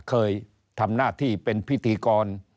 เคยทำหน้าที่เป็นพิธีกร